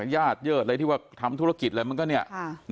ญาติเยิดอะไรที่ว่าทำธุรกิจอะไรมันก็เนี่ย